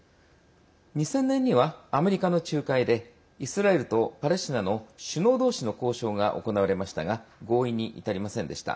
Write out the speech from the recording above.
２０００年にはアメリカの仲介でイスラエルとパレスチナの首脳同士の交渉が行われましたが合意に至りませんでした。